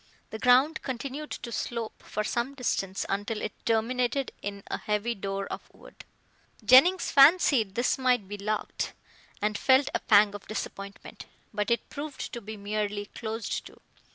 The ground continued to slope for some distance until it terminated in a heavy door of wood. Jennings fancied this might be locked, and felt a pang of disappointment. But it proved to be merely closed to.